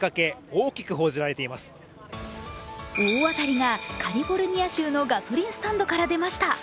大当たりがカリフォルニア州のガソリンスタンドから出ました。